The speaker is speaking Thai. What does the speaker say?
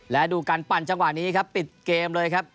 และดูการปั่นจังหวะนี้ครับปิดเกมเลยครับ